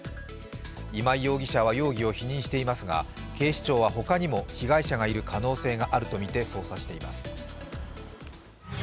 今井容疑者は容疑を否認していますが警視庁はほかにも被害者がいる可能性もあるとみて捜査しています。